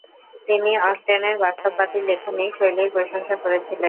তিনি অস্টেনের বাস্তববাদী লেখনি শৈলীর প্রশংসা করেছিলেন।